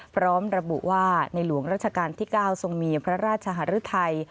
พร้อมระบุว่าในหลวงรัชกาลที่เก้าส่งมีพระราชหรือไทย